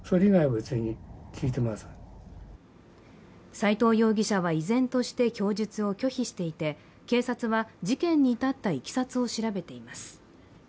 斉藤容疑者は、依然として供述を拒否していて警察は事件にいたったいきさつを調べています。